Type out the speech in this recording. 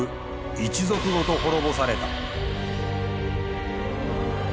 一族ごと滅ぼされた。